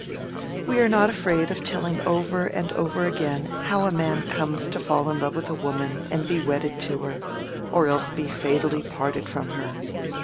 We are not afraid of telling over and over again how a man comes to fall in love with a woman and be wedded to her, or else be fatally parted from her.